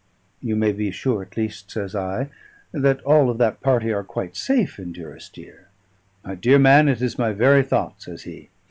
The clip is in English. "You may be sure at least," says I, "that all of that party are quite safe in Durrisdeer." "My dear man, it is my very thought," says he.